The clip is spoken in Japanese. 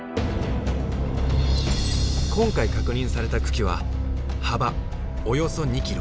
今回確認された群来は幅およそ２キロ。